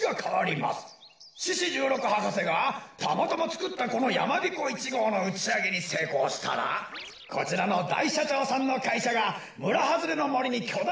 獅子じゅうろく博士がたまたまつくったこのやまびこ１ごうのうちあげにせいこうしたらこちらのだいしゃちょうさんのかいしゃがむらはずれのもりにきょだ